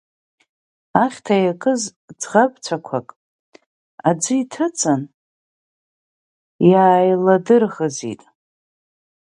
Ахьҭа иакыз ӡӷабцәақәак аӡы иҭыҵын, иааиладырӷызит…